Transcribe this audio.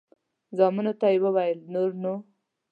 زامنو ته مې وویل نور نو.